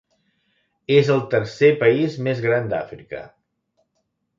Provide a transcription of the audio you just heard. És el tercer país més gran d'Àfrica.